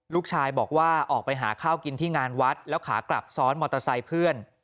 ลูกชายบอกว่าออกไปหาข้าวกินที่งานวัดแล้วขากลับซ้อนมอเตอร์ไซค์เพื่อน